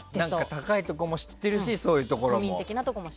高いところも知ってるし庶民的なところも。